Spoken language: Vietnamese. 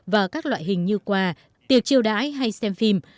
và các loại hình như quà tiệc chiêu đãi hay xem phim